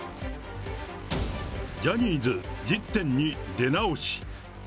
ジャニーズ１０・２出直し。